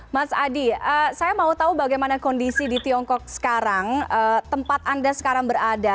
mas adi saya mau tahu bagaimana kondisi di tiongkok sekarang tempat anda sekarang berada